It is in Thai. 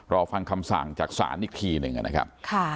รอฟังคำสั่งจากศาลอีกทีหนึ่งนะครับ